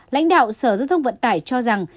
lãnh đạo sở giao thông vận tải cho rằng